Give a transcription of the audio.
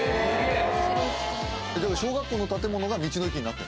小学校の建物が道の駅になった？